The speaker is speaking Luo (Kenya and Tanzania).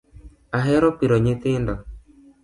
Ahero piro nyithindo